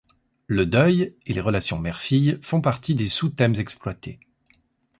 Le deuil et les relations mère-fille font partie des sous-thèmes exploités.